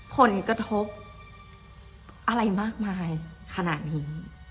ผลกระทบอะไรมากมายขนาดนี้